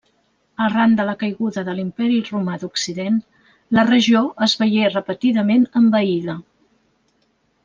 Arran de la caiguda de l'Imperi romà d'Occident, la regió es veié repetidament envaïda.